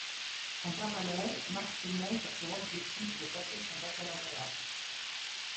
En parallèle, Max Riemelt a pour objectif de passer son baccalauréat.